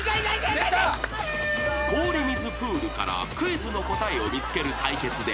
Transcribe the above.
［氷水プールからクイズの答えを見つける対決では］